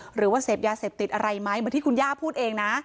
หรือว่าเสพยาเสพติดอะไรไหมเหมือนที่คุณย่าพูดเองนะ